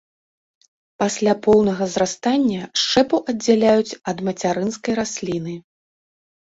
Пасля поўнага зрастання шчэпу аддзяляюць ад мацярынскай расліны.